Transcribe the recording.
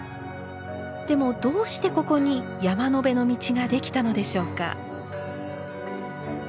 でもどうしてここに山辺の道ができたのでしょうか。